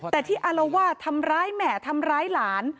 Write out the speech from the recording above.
แต่ที่อารวาสทำร้ายแม่ทำร้ายหลาน